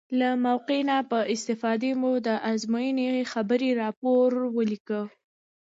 له موقع نه په استفادې مو د ازموینې خبري راپور ولیکه.